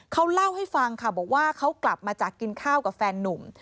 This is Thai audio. เขาเล่าให้ฟังค่ะบอกว่าเขากลับมาจากกินข้าวกับแฟนนุ่ม